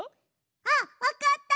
あっわかった！